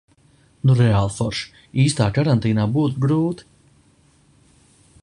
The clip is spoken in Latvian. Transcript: Nu reāli forši. Īstā karantīnā būtu grūti.